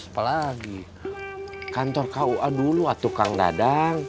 apalagi kantor kua dulu ah tukang dadang